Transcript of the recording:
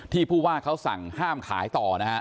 ที่ผู้ว่าเขาสั่งห้ามขายต่อ